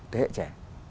thế hệ trẻ